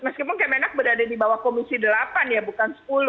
meskipun kemenak berada di bawah komisi delapan ya bukan sepuluh